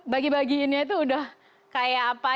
bagi bagiinnya itu udah kayak apa